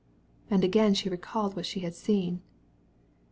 And again she recalled all she had seen.